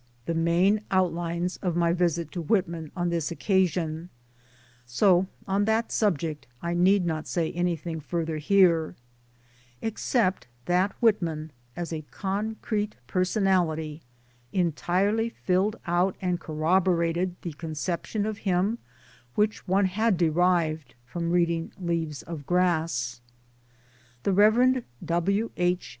UNIVERSITY EXTENSION 87, main outlines of my visit to Whitman on this occasion, so on that subject I need not say anything further here, except that Whitman as a concrete personality entirely filled out and corroborated the conception of him which one had derived from reading Leaves of Grass. The Rev. W. H.